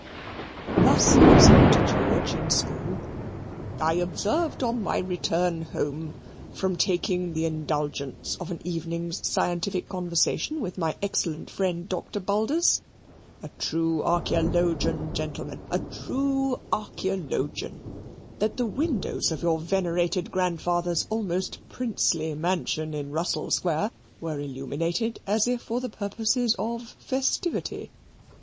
Thus he would say to George in school, "I observed on my return home from taking the indulgence of an evening's scientific conversation with my excellent friend Doctor Bulders a true archaeologian, gentlemen, a true archaeologian that the windows of your venerated grandfather's almost princely mansion in Russell Square were illuminated as if for the purposes of festivity.